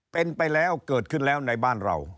เป็นไปแล้วเกิดขึ้นแล้วในบ้านเรา